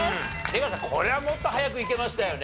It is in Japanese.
出川さんこれはもっと早くいけましたよね？